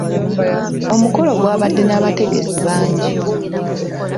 Omukolo gwabadde n'abategesi bangi.